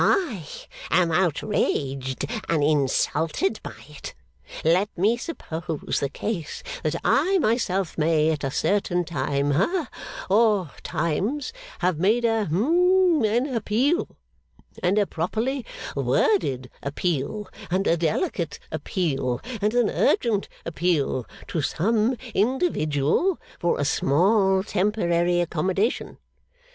'I am outraged and insulted by it. Let me suppose the case that I myself may at a certain time ha or times, have made a hum an appeal, and a properly worded appeal, and a delicate appeal, and an urgent appeal to some individual for a small temporary accommodation.